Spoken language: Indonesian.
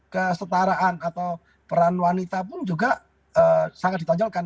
kesetaraan atau peran wanita pun juga sangat ditonjolkan